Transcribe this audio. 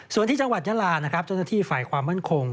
ส่วนที่จังหวัดยลาจ้านละที่ฝ่ายความมั่นคง